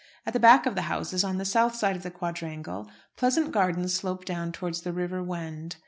At the back of the houses on the south side of the quadrangle, pleasant gardens slope down towards the river Wend.